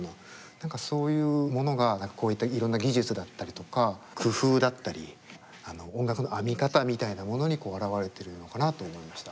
何かそういうものがこういったいろんな技術だったりとか工夫だったり音楽の編み方みたいなものに現れてるのかなと思いました。